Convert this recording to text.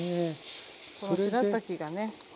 このしらたきがね